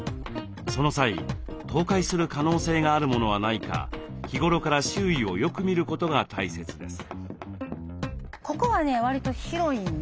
その際倒壊する可能性があるものはないか日頃から周囲をよく見ることが大切です。